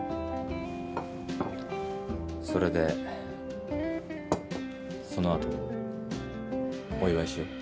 それでそのあとお祝いしよう。